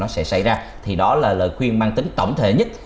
sẽ xảy ra thì đó là lời khuyên mang tính tổng thể nhất